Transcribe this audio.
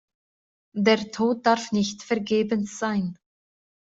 Der Tod darf nicht vergebens sein.